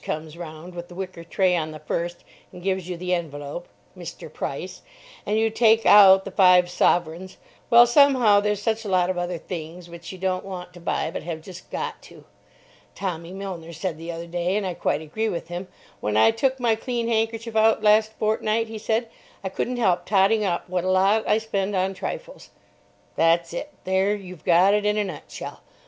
comes round with the wicker tray on the 1st, and gives you the envelope ("Mr. Price") and you take out the five sovereigns—well, somehow, there's such a lot of other things which you don't want to buy but have just got to. Tommy Milner said the other day, and I quite agree with him, "When I took my clean handkerchief out last fortnight," he said, "I couldn't help totting up what a lot I spend on trifles." That's it. There you've got it in a nutshell.